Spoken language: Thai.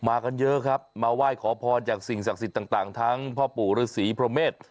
กันเยอะครับมาไหว้ขอพรจากสิ่งศักดิ์สิทธิ์ต่างทั้งพ่อปู่ฤษีพระเมษ